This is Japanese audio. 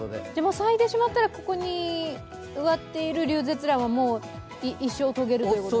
咲いてしまったらここに植わっているリュウゼツランは一生を遂げるという。